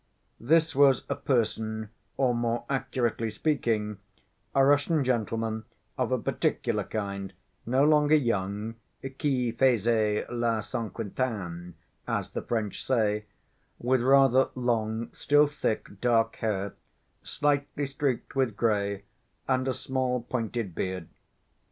This was a person or, more accurately speaking, a Russian gentleman of a particular kind, no longer young, qui faisait la cinquantaine, as the French say, with rather long, still thick, dark hair, slightly streaked with gray and a small pointed beard.